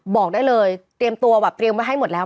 บอกได้เลยเตรียมตัวแบบเตรียมไว้ให้หมดแล้ว